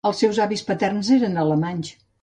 Els seus avis paterns eren alemanys.